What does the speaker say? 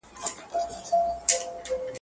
څراغه بلي لمبې وکړه.